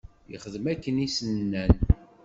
Yexdem akken i s-nnan.